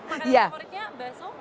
ibu makanan favoritnya bakso